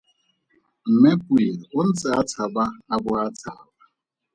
Mme Pule o ntse a tshaba a bo a tshaba.